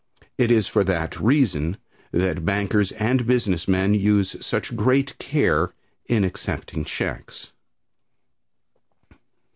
It is for that reason that bankers and business men use such great care in accepting checks.